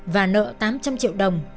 và nợ tám trăm linh triệu đồng